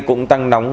cũng tăng nóng